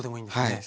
はい。